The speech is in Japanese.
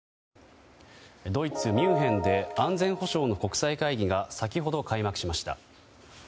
ドイツ・ミュンヘンで安全保障の国際会議が先ほど開幕しました。